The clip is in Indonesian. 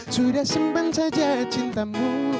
sudah simpan saja cintamu